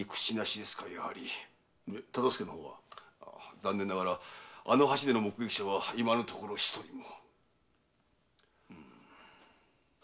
残念ながらあの橋での目撃者は今のところ一人も。